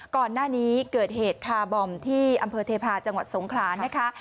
ก่อนหน้านี้เกิดเหตุคาร์บอมที่อำเภอเทพาะจังหวัดสงขลานะคะ